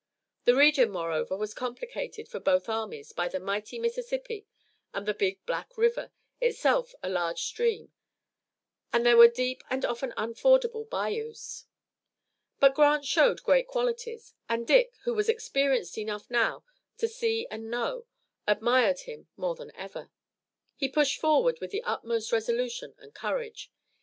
The region, moreover, was complicated for both armies by the mighty Mississippi and the Big Black River, itself a large stream, and there were deep and often unfordable bayous. But Grant showed great qualities, and Dick, who was experienced enough now to see and know, admired him more than ever. He pushed forward with the utmost resolution and courage.